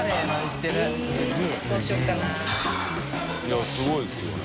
いすごいですよね。